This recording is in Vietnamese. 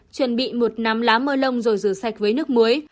chuẩn bị một nắm lá mưa lông rồi rửa sạch với nước muối